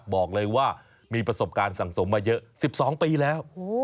บอกเลยว่ามีประสบการณ์สั่งสมมาเยอะ๑๒ปีแล้ว